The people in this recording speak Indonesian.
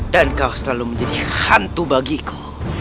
dan kau selalu menjadi hantu bagiku